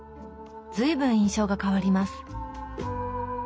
随分印象が変わります。